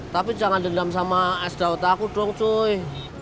tapi jangan dendam sama es daud aku dong cuy